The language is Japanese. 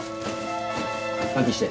換気して。